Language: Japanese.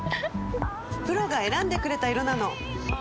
プロが選んでくれた色なの！